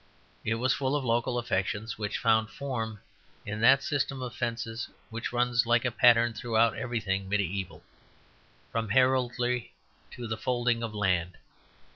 It was full of local affections, which found form in that system of fences which runs like a pattern through everything mediæval, from heraldry to the holding of land.